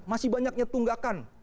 masih banyaknya tunggakan